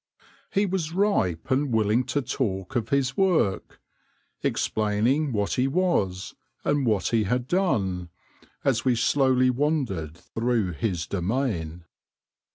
He was ripe and willing to talk of his work, explaining what he was, and what he had done, as we slowly wandered through his domain.